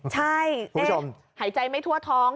ใช่หายใจไม่ทั่วท้อง